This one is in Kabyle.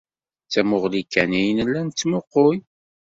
D tamuɣli kan ay nella nettmuqqul.